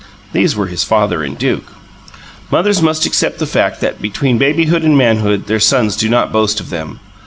These were his father and Duke. Mothers must accept the fact that between babyhood and manhood their sons do not boast of them.